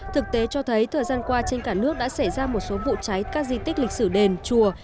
thực tế cho thấy thời gian qua trên cả nước đã xảy ra một số vụ cháy các di tích lịch sử đền chùa